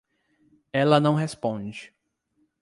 Ela não responde.